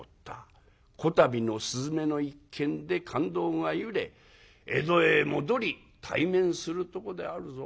こたびの雀の一件で勘当がゆれ江戸へ戻り対面するとこであるぞ」。